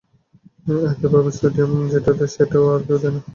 একইভাবে সোডিয়াম যেটা দেয়, সেটাও আর কেউ দেয় না।